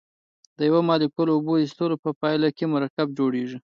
د یو مالیکول اوبو ایستلو په پایله کې مرکب جوړیږي.